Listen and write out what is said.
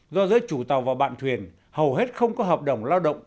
do giữa chủ tàu và bạn thuyền hầu hết không có hợp đồng lao động